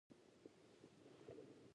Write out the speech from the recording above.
ډیوې د کلي په منځ کې څراغونه بل کړل.